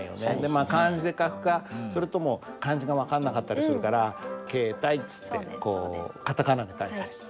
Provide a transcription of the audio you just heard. まあ漢字で書くかそれとも漢字が分かんなかったりするから「ケータイ」っつってこうカタカナで書いたりする。